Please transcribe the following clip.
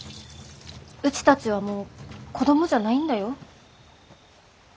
うちたちはもう子供じゃないんだよ。